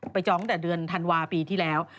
ไปจองแต่เดือนธันวาคมปีที่แล้ว